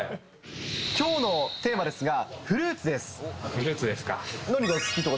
きょうのテーマですが、フルーツですか。